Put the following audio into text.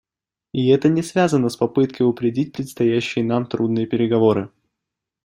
И это не связано с попыткой упредить предстоящие нам трудные переговоры.